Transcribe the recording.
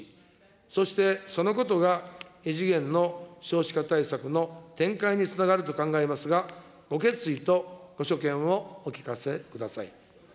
そしてそのことが異次元の少子化対策の展開につながると考えますが、ご決意とご所見をお聞かせください。